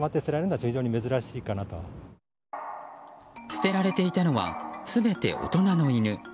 捨てられていたのは全て大人の犬。